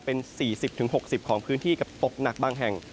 เป็น๔๐๖๐องศาเซียตของพื้นที่กับตกหนักบางแห่ง